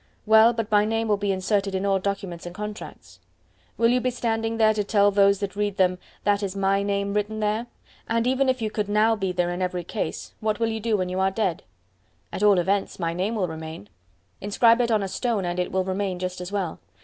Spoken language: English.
"Well, but my name will be inserted in all documents and contracts." "Will you be standing there to tell those that read them, That is my name written there? And even if you could now be there in every case, what will you do when you are dead?" "At all events my name will remain." "Inscribe it on a stone and it will remain just as well.